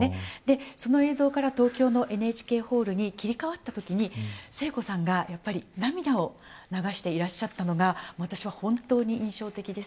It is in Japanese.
その映像から、東京のＮＨＫホールに切り替わったときに聖子さんが涙を流していらっしゃったのが私は本当に印象的です。